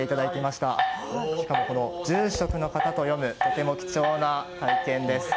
しかも、住職の方と読むとても貴重な体験です。